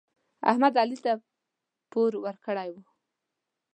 احمد علي ته پور ورکړی و.